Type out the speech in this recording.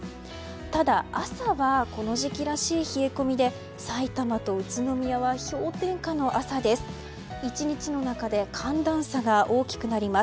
ただ、朝はこの時期らしい冷え込みでさいたまと宇都宮は氷点下の朝です。